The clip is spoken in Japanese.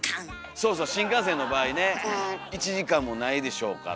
そうそう新幹線の場合ね１時間もないでしょうから。